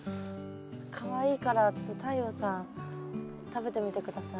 かわいいからちょっと太陽さん食べてみて下さい。